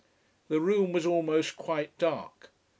The room was almost quite dark.